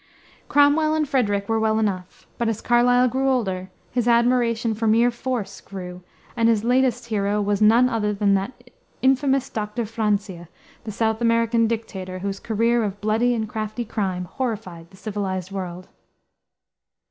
Cromwell and Frederick were well enough; but as Carlyle grew older, his admiration for mere force grew, and his latest hero was none other than that infamous Dr. Francia, the South American dictator, whose career of bloody and crafty crime horrified the civilized world.